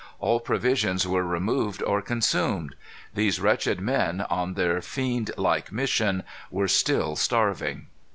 All provisions were removed or consumed. These wretched men, on their fiend like mission, were still starving.